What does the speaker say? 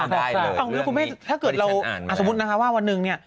คุณแม่ถ้าเกิดเราสมมุติว่าวันนึง